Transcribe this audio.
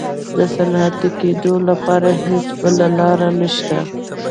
د صنعتي کېدو لپاره هېڅ بله لار نشته.